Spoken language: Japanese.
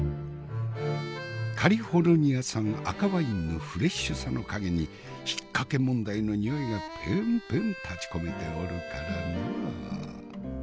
カリフォルニア産赤ワインのフレッシュさの陰に引っ掛け問題のにおいがぷんぷん立ちこめておるからのう。